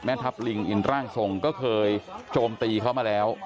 ทัพลิงอินร่างทรงก็เคยโจมตีเขามาแล้ว